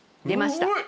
出ました。